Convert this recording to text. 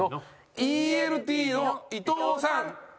ＥＬＴの伊藤さん。